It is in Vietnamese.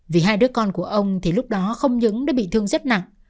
vì hai đứa con của ông thì lúc đó không những đã bị thương rất nặng